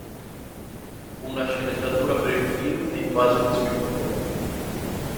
Una sceneggiatura per il film è in fase di sviluppo.